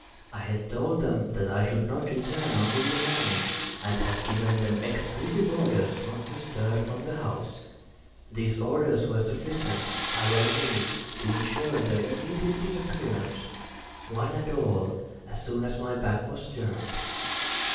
I had told them that I should not return until the morning, and had given them explicit orders not to stir from the house. These orders were sufficient, I well knew, to insure their immediate disappearance, one and all, as soon as my back was turned.